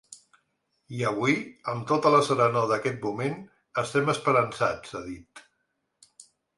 I avui, amb tota la serenor d’aquest moment, estem esperançats, ha dit.